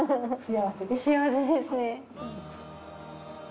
幸せですね。